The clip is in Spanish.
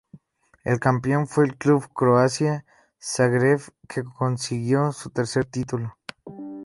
El campeón fue el club Croacia Zagreb que consiguió su tercer título.